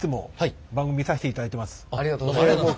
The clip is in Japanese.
ありがとうございます！